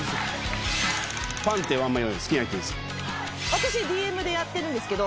私ＤＭでやってるんですけど。